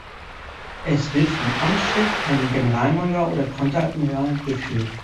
Es wird vom Amtschef, einem Generalmajor oder Konteradmiral, geführt.